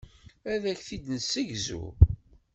Ad ak-t-id-nessegzu.